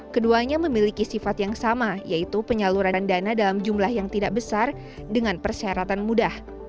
keduanya memiliki sifat yang sama yaitu penyaluran dana dalam jumlah yang tidak besar dengan persyaratan mudah